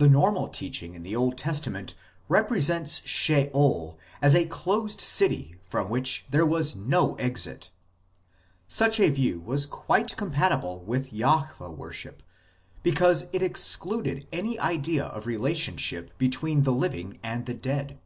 The normal teaching in the Old Testament represents Sheol as a closed city from which there was no exit ; such a view was quite compatible with Jahwe worship because it excluded any idea of relationship between the living and the dead.